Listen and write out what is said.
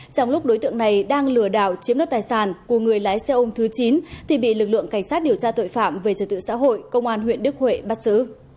trong lúc đối tượng này đang lừa đảo chiếm đất tài sản của người lái xe ôm thứ chín thì bị lực lượng cảnh sát điều tra tội phạm về trật tự xã hội công an huyện đức huệ bắt xử